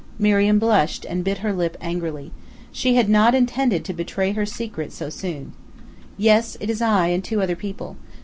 Miriam blushed, and bit her lip angrily. She had not intended to betray her secret so soon. "Yes, it is I, and two other people.